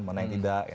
mana yang tidak